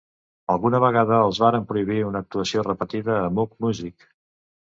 Alguna vegada els varen prohibir una actuació repetida a Much Music.